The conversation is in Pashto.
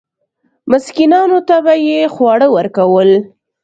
مسکینانو ته به یې خواړه ورکول.